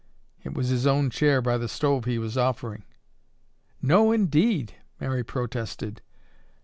It was his own chair by the stove he was offering. "No, indeed!" Mary protested.